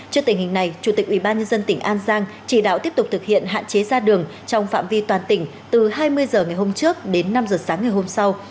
trước tình hình này chủ tịch ubnd tỉnh an giang chỉ đạo tiếp tục thực hiện hạn chế ra đường trong phạm vi toàn tỉnh từ hai mươi h ngày hôm trước đến năm h sáng ngày hôm sau